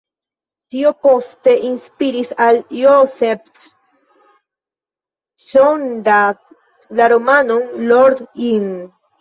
Tio poste inspiris al Joseph Conrad la romanon "Lord Jim".